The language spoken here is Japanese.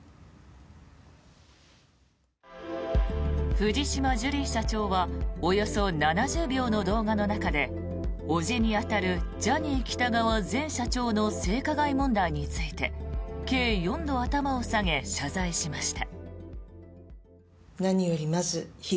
藤島ジュリー社長はおよそ７０秒の動画の中で叔父に当たるジャニー喜多川前社長の性加害問題について計４度、頭を下げ謝罪しました。